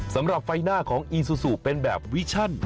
สำหรับไฟหน้าของอีซูซูเป็นแบบวิชั่น